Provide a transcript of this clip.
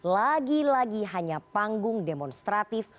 lagi lagi hanya panggung demonstratif